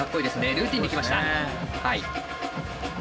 ルーティーンに来ました。